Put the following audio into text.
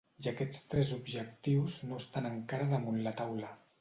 I aquests tres objectius no estan encara damunt la taula.